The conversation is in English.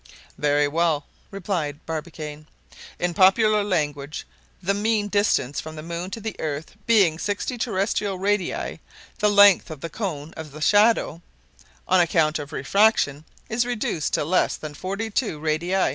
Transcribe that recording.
"Very well, replied Barbicane; "in popular language the mean distance from the moon to the earth being sixty terrestrial radii, the length of the cone of the shadow, on account of refraction, is reduced to less than forty two radii.